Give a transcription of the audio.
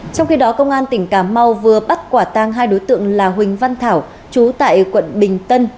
trong khi đó công an tỉnh cà mau vừa bắt quả tang hai đối tượng là huỳnh văn thảo chú tại quận bình tân